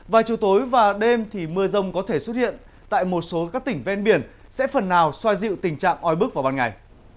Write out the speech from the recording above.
và chiều tối và đêm thì mưa rông có thể xuất hiện tại một số các tỉnh ven biển sẽ phần nào xoa dịu tình trạng oi bức vào ban ngày